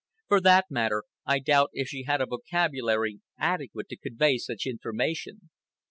For that matter I doubt if she had a vocabulary adequate to convey such information.